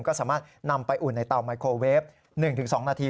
ก็สามารถนำไปอุ่นในเตาไมโครเวฟ๑๒นาที